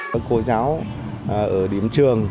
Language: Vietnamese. tổng số bốn mươi hai học sinh